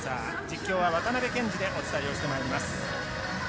実況は渡辺憲司でお伝えしてまいります。